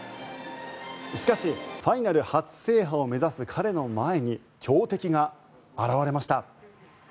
しかし、ファイナル初制覇を目指す彼の前に強敵が現れました。